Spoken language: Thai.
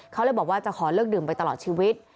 เขาเลยบอกว่าจะขอเลิกดื่มไปตลอดชีวิต